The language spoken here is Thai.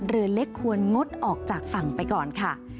เรือเล็กควรงดออกจากฝั่งไปก่อนค่ะ